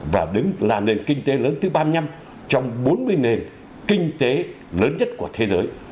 và đứng là nền kinh tế lớn thứ ba mươi năm trong bốn mươi nền kinh tế lớn nhất của thế giới